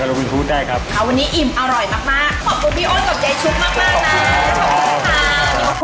ขอบคุณพี่อ้นกับใจชุดมากนะขอบคุณค่ะ